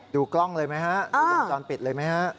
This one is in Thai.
ดูกล้องเลยไหมครับดูลงจรปิดเลยไหมครับ